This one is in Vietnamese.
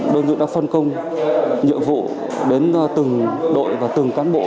đơn vị đã phân công nhiệm vụ đến từng đội và từng cán bộ